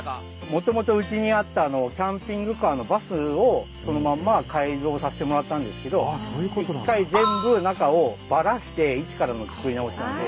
もともとうちにあったキャンピングカーのバスをそのまんま改造させてもらったんですけど一回全部中をバラしていちからの作り直しなんで。